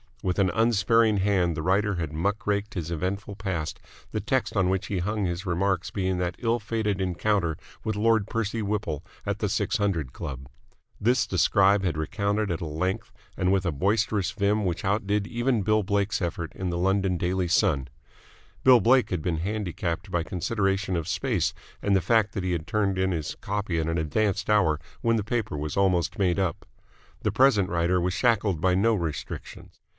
With an unsparing hand the writer had muck raked his eventful past, the text on which he hung his remarks being that ill fated encounter with Lord Percy Whipple at the Six Hundred Club. This the scribe had recounted at a length and with a boisterous vim which outdid even Bill Blake's effort in the London Daily Sun. Bill Blake had been handicapped by consideration of space and the fact that he had turned in his copy at an advanced hour when the paper was almost made up. The present writer was shackled by no restrictions.